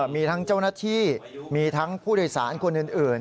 มีทั้งเจ้าหน้าที่มีทั้งผู้โดยสารคนอื่น